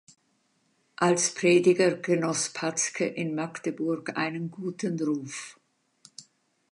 Als Prediger genoss Patzke in Magdeburg einen guten Ruf.